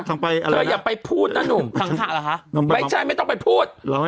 ทางไปอะไรนะเผ่ยว่าอย่าไปพูดนะหนุ่มไม่ใช่ไม่ต้องไปพูด